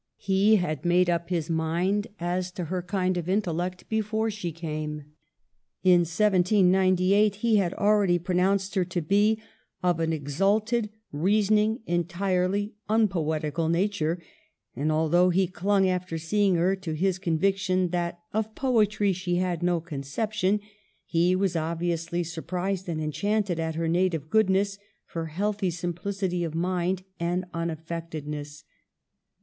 He had made up his mind as to her kind of intellect before she came. In 1798 he had already pronounced her to be of an " exalt ed, reasoning, entirely unpoetical nature "; and, although he clung, after seeing her, to his con viction that " of poetry she had no conception," he was obviously surprised and enchanted at her native goodness, her healthy simplicity of mind, and unaffectedness.